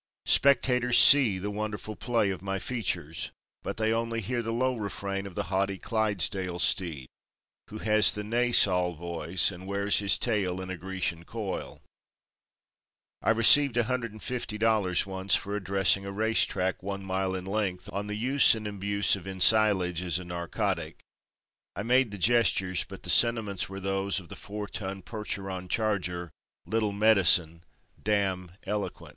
Spectators see the wonderful play of my features, but they only hear the low refrain of the haughty Clydesdale steed, who has a neighsal voice and wears his tail in a Grecian coil. I received $150 once for addressing a race track one mile in length on "The Use and Abuse of Ensilage as a Narcotic." I made the gestures, but the sentiments were those of the four ton Percheron charger, Little Medicine, dam Eloquent.